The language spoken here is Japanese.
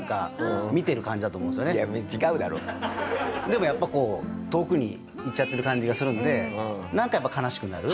でもやっぱこう遠くに行っちゃってる感じがするんでなんかやっぱ悲しくなる。